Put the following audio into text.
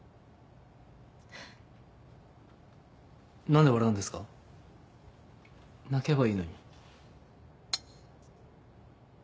何で笑うんですか泣けばいいのに。